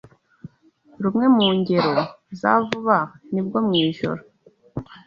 Rumwe mu ngero za vuba ni ubwo mu ijoro